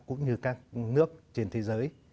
cũng như các nước trên thế giới